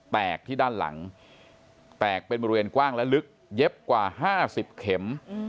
แตกที่ด้านหลังแตกเป็นบริเวณกว้างและลึกเย็บกว่า๕๐เข็ม